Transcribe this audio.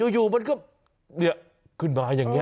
อยู่มันก็ขึ้นมาอย่างนี้